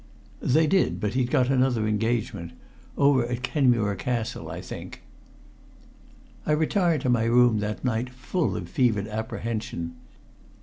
"They did, but he'd got another engagement over at Kenmure Castle, I think." I retired to my room that night full of fevered apprehension.